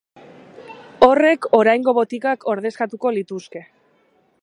Horrek oraingo botikak ordezkatuko lituzke.